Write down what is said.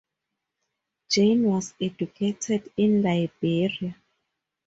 Jane was educated in Liberia.